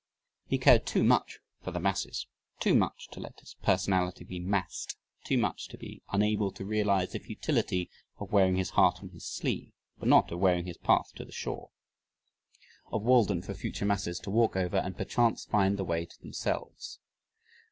He cared too much for the masses too much to let his personality be "massed"; too much to be unable to realize the futility of wearing his heart on his sleeve but not of wearing his path to the shore of "Walden" for future masses to walk over and perchance find the way to themselves.